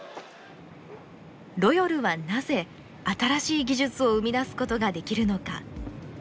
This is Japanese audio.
ロヨルはなぜ新しい技術を生み出すことができるのか。